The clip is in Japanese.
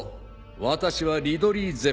私はリドリーゼベット。